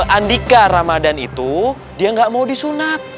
andika ramadan itu dia nggak mau disunat